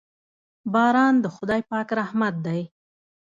باران د خداے پاک رحمت دے